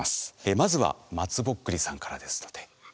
まずはまつぼっくりさんからですので。